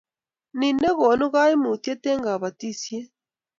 ne nekonu kaimutiet eng kabatishiet